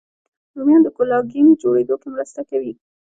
رومیان د کولاګین جوړېدو کې مرسته کوي